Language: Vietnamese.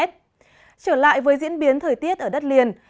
trở lại với diễn biến thời tiết ở đất liền